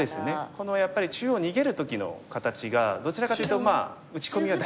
このやっぱり中央逃げる時の形がどちらかというと「打ち込みは大丈夫。